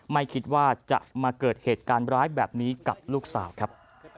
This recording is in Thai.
ไม่คิดว่าจะมาเกิดเหตุการณ์ร้ายแบบนี้กับลูกสาวครับ